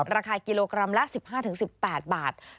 ราคากิโลกรัมละ๑๕๑๘บาท